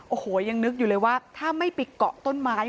โอ้โหยังนึกอยู่เลยว่าถ้าไม่ไปเกาะต้นไม้